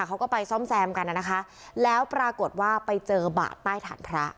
เขาก็ไปซ่อมแซมกันน่ะนะคะแล้วปรากฏว่าไปเจอบาดใต้ฐานพระ